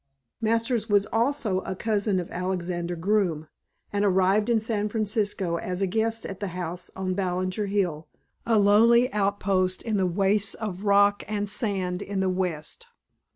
Masters was also a cousin of Alexander Groome, and arrived in San Francisco as a guest at the house on Ballinger Hill, a lonely outpost in the wastes of rock and sand in the west.